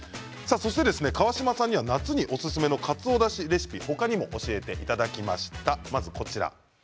川島さんには夏におすすめのカツオだしレシピを他にも教えていただきました。